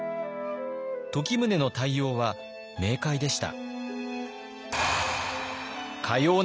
時宗の対応は明快でした。